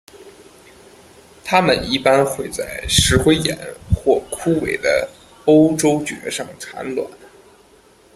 它们一般会在石灰岩或枯萎的欧洲蕨上产卵。